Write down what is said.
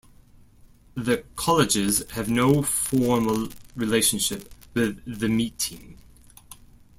The colleges have no formal relationship with the Meeting.